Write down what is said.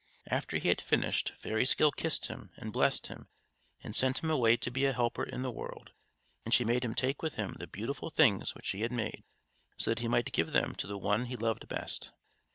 After he had finished, Fairy Skill kissed him and blessed him, and sent him away to be a helper in the world, and she made him take with him the beautiful things which he had made, so that he might give them to the one he loved best.